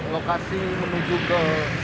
lokasi menuju ke